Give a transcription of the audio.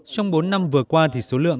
trong bốn năm vừa qua thì số lượng